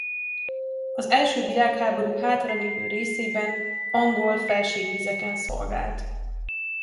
Az első világháború hátralevő részében angol felségvizeken szolgált.